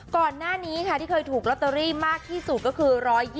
ก่อนหน้านี้ค่ะที่เคยถูกลอตเตอรี่มากที่สุดก็คือ๑๒๐